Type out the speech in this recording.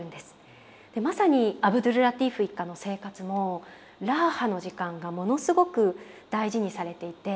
まさにアブドュルラティーフ一家の生活もラーハの時間がものすごく大事にされていて。